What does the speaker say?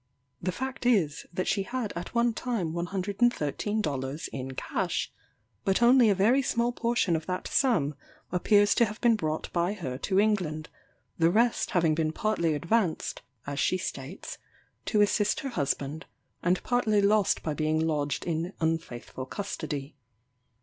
The fact is, that she had at one time 113 dollars in cash; but only a very small portion of that sum appears to have been brought by her to England, the rest having been partly advanced, as she states, to assist her husband, and partly lost by being lodged in unfaithful custody.